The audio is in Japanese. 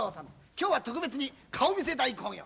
今日は特別に顔見世大興行。